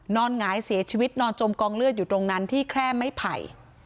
หงายเสียชีวิตนอนจมกองเลือดอยู่ตรงนั้นที่แคร่ไม้ไผ่